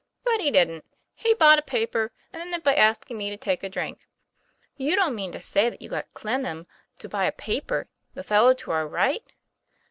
But he didn't: he bought a paper, and ended by asking me to take a drink." 'You don't mean to say that you got Clennam to buy a paper the fellow to our right